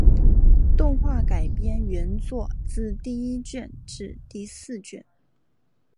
动画改编原作自第一卷至第四卷。